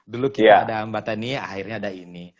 dulu kita ada mbatha nyi akhirnya ada ini